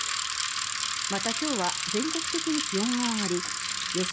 また、今日は全国的に気温が上がり予想